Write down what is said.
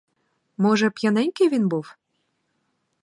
Може, п'яненький він був?